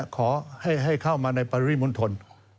ขอให้เข้ามาในปรุงมุนทน